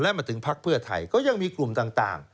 และมาถึงพักเพื่อไทยก็ยังมีกลุ่มต่าง